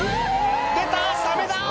「出たサメだ！」